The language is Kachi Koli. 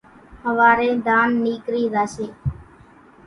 ۿوارين ڌانَ نيڪرِي زاشيَ۔